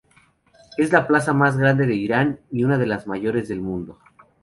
Es la plaza más grande de Irán y una de las mayores del mundo.